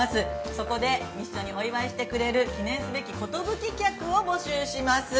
そこで、一緒にお祝いしてくれる、記念すべき寿客を募集します。